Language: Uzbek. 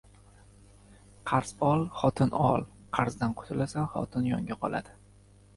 Qarz ol, xotin ol, qarzdan qutulasan, xotin yonga qoladi!